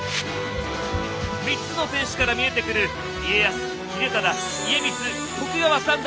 ３つの天守から見えてくる家康・秀忠・家光